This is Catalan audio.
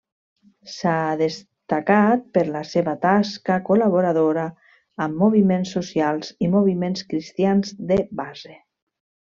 S'ha destacat per la seva tasca col·laboradora amb moviments socials i moviments cristians de base.